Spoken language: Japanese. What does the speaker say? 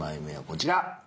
こちら。